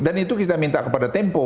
dan itu kita minta kepada tempo